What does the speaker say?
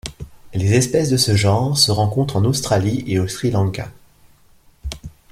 Les espèces de ce genre se rencontrent en Australie et au Sri Lanka.